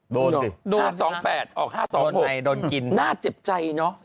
โดนโดนผมโดนเลย๕๒๘๖๒๖โดนไงโดนกินหน้าเจ็บใจเนาะ